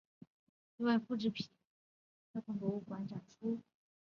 另外一个复制品在史密松森的国家航空暨太空博物馆展出。